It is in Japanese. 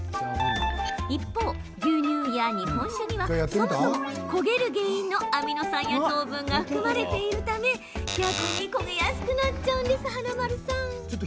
一方、牛乳や日本酒にはそもそも焦げる原因のアミノ酸や糖分が含まれているため逆に焦げやすくなってしまうんです。